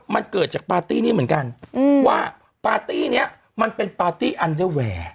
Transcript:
มันเกิดจากปาร์ตี้นี้เหมือนกันว่าปาร์ตี้เนี้ยมันเป็นปาร์ตี้อันเดอร์แวร์